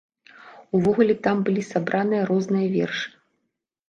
Увогуле там былі сабраныя розныя вершы.